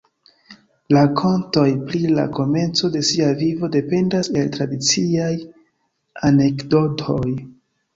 Rakontoj pri la komenco de sia vivo dependas el tradiciaj anekdotoj.